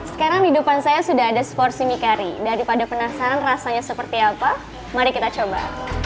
sekarang di depan saya sudah ada seporsi mie kari daripada penasaran rasanya seperti apa mari kita coba